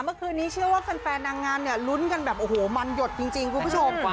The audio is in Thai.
เมื่อคืนนี้เชื่อว่าแฟนนางงามเนี่ยลุ้นกันแบบโอ้โหมันหยดจริงคุณผู้ชม